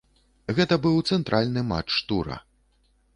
Гэта быў цэнтральны матч тура.